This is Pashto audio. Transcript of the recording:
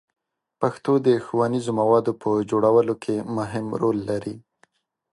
پښتو د ښوونیزو موادو په جوړولو کې مهم رول لري.